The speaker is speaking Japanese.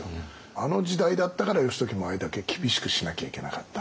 あの時代だったから義時もあれだけ厳しくしなきゃいけなかった。